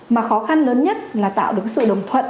mà khó khăn lớn nhất là tạo được sự đồng thuận